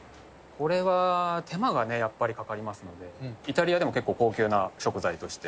これは手間がね、やっぱりかかりますので、イタリアでも結構高級な食材として。